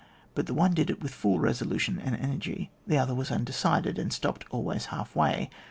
But the one did it with full resolution and energy, the other was undecided, and stopped always half way.